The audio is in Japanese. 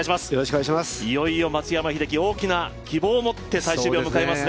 いよいよ松山英樹、大きな希望を持って最終日を迎えますね。